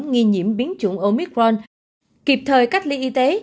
nghi nhiễm biến chủng omicron kịp thời cách ly y tế